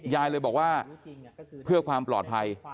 ยายเลยบอกว่าเพื่อความปลอดภัย